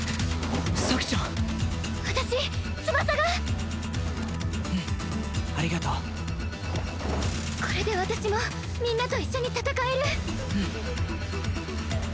咲ちゃん私翼がうんありがとうこれで私もみんなと一緒に戦えるうん